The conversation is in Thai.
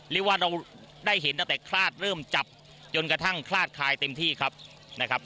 เรียกว่าเราได้เห็นตั้งแต่คลาดเริ่มจับจนกระทั่งคลาดคลายเต็มที่ครับนะครับ